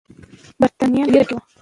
برتانويان په ویره کې وو.